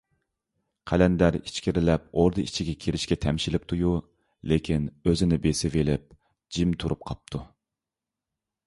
قەلەندەر ئىچكىرىلەپ ئوردا ئىچىگە كىرىشكە تەمشىلىپتۇ - يۇ، لېكىن ئۆزىنى بېسىۋېلىپ جىم تۇرۇپ قاپتۇ.